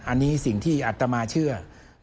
อันนี้สิ่งที่อัตมาเชื่อ